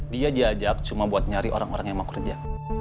dia diajak cuma buat nyari orang orang yang mau kerja